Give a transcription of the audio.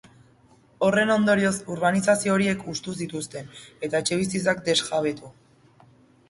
Horren ondorioz, urbanizazio horiek hustu zituzten, eta etxebizitzak desjabetu.